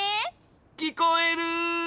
きこえる？